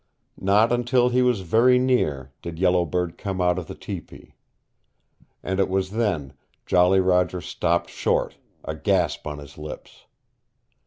Not until he was very near did Yellow Bird come out of the tepee. And it was then Jolly Roger stopped short, a gasp on his lips.